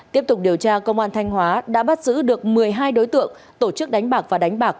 tiếp tục điều tra công an thanh hóa đã bắt giữ được một mươi hai đối tượng tổ chức đánh bạc và đánh bạc